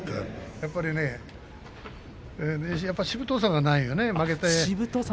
やっぱり、しぶとさがないよね。